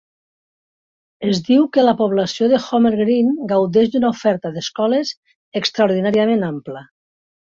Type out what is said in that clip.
Es diu que la població d'Homer Green gaudeix d'una oferta d'escoles extraordinàriament ampla.